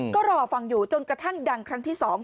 ก็รอฟังอยู่จนกระทั่งดังครั้งที่๒